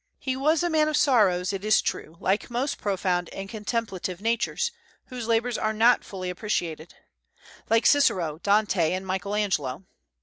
He was a man of sorrows, it is true, like most profound and contemplative natures, whose labors are not fully appreciated, like Cicero, Dante, and Michael Angelo.